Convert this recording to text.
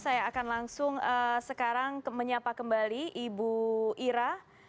saya akan langsung sekarang menyapa kembali ibu ira